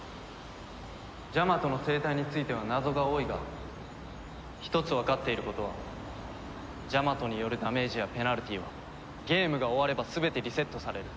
ジャマトの生態については謎が多いが一つわかっていることはジャマトによるダメージやペナルティーはゲームが終われば全てリセットされる。